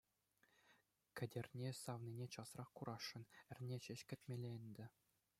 Кӗтерне савнине часрах курасшӑн, эрне ҫеҫ кӗтмелле ӗнтӗ.